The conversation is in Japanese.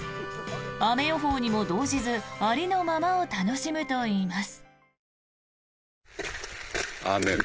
雨予報にも動じずありのままを楽しむといいます。